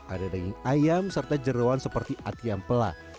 ada daging ayam serta jerawan seperti atiampela